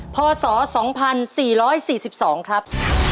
พศ๒๔๔๒ครับ